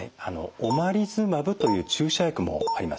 オマリズマブという注射薬もあります。